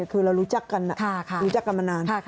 คือเรารู้จักกันรู้จักกันมานาน